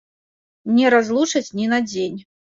Не разлучаць ні на дзень.